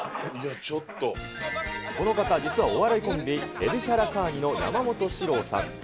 この方、実はお笑いコンビ、エルシャラカーニの山本しろうさん。